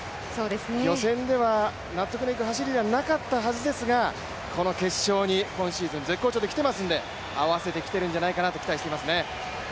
予選では納得のいく走りではなかったはずですが、この決勝に今シーズン絶好調で来てますんで合わせてきているんじゃないかと期待していますね。